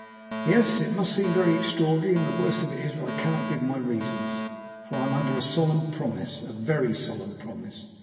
"Yes; it must seem very extraordinary, and the worst of it is that I cannot give my reasons, for I am under a solemn promise a very solemn promise.